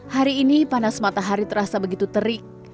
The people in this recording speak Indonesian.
hari ini panas matahari terasa begitu terik